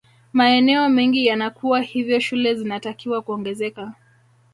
maeneo mengi yanakuwa hivyo shule zinatakiwa kuongezeka